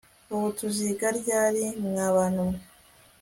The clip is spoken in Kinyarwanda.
ubu tuziga ryaeri mwabantu mwe